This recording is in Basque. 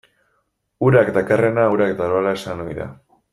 Urak dakarrena urak daroala esan ohi da.